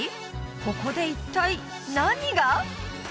ここで一体何が？